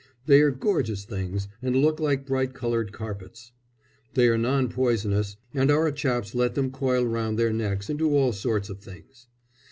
They are gorgeous things, and look like bright coloured carpets. They are non poisonous, and our chaps let them coil round their necks and do all sorts of things.